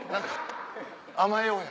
甘えようや。